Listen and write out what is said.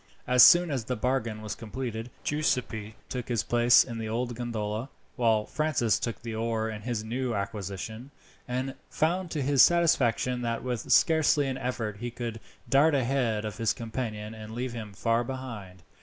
As soon as the bargain was completed, Giuseppi took his place in the old gondola, while Francis took the oar in his new acquisition, and found to his satisfaction that with scarcely an effort he could dart ahead of his companion and leave him far behind.